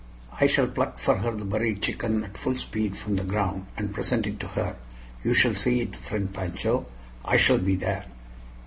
I shall pluck for her the buried chicken at full speed from the ground, and present it to her. You shall see it, friend Pancho. I shall be there."